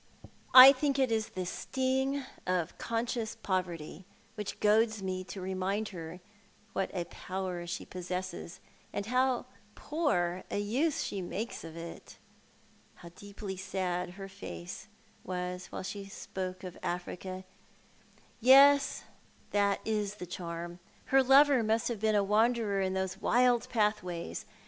I think it is the sting of conscious poverty which goads me to remind her what a power she possesses, and how poor a use she makes of it. How deeply sad her face was while she spoke of Africa ! Yes, that is the charm. Her lover must have been a wanderer in those wild pathways.